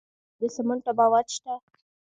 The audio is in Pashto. د کابل په کلکان کې د سمنټو مواد شته.